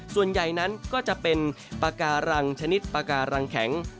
ส่วนใหญ่นั้นก็จะเป็นปากการังชนิดปากการังแข็ง